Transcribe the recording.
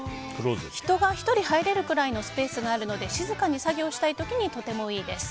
人が１人入れるくらいのスペースがあるので静かに作業したい時にとてもいいです。